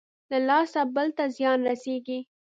له لاسه بل ته زيان رسېږي.